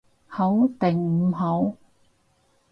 好定唔好？